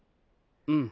うん。